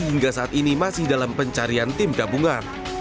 hingga saat ini masih dalam pencarian tim gabungan